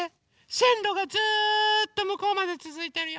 せんろがずっとむこうまでつづいてるよ。